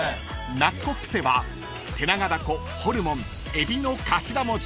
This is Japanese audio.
［ナッコプセは手長ダコホルモンエビの頭文字］